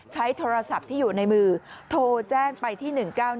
ใช้โทรศัพท์ที่อยู่ในมือโทรแจ้งไปที่๑๙๑